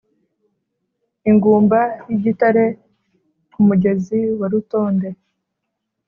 Ingumba y' igitare ku mugezi wa Rutonde